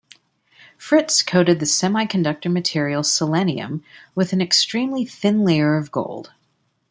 Fritts coated the semiconductor material selenium with an extremely thin layer of gold.